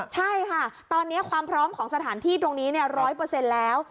ใช่ค่ะตอนนี้ความพร้อมของสถานที่ตรงนี้๑๐๐แล้ว